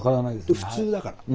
普通だから。